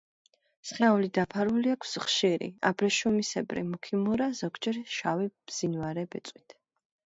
სხეული დაფარული აქვს ხშირი, აბრეშუმისებრი, მუქი მურა, ზოგჯერ შავი მბზინვარე ბეწვით.